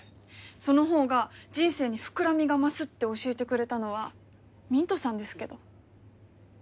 その方が人生に膨らみが増すって教えてくれたのはミントさんですけど。